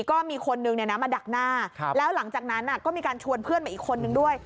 ก็มีคนนึงมาดักหน้าแล้วหลังจากนั้นก็มีการชวนเพื่อนมาอีกคนนึงด้วย